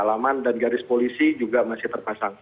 ada di halaman dan garis polisi juga masih terpasang